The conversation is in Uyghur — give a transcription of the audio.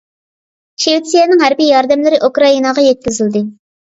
شىۋېتسىيەنىڭ ھەربىي ياردەملىرى ئۇكرائىناغا يەتكۈزۈلدى.